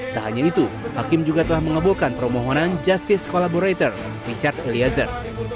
tak hanya itu hakim juga telah mengebohkan permohonan justice collaborator richard eliezer